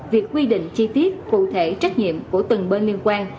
việc quy định chi tiết cụ thể trách nhiệm của từng bên liên quan